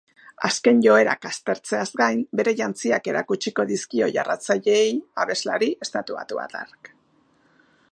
Azken joerak aztertzeaz gain, bere jantziak erakutsiko dizkio jarraitzaileei abeslari estatubatuarrak.